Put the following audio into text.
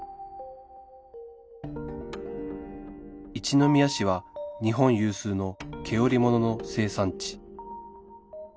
一宮市は日本有数の毛織物の生産地